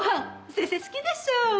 先生好きでしょう？